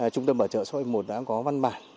trung tâm bảo trợ số một đã có văn bản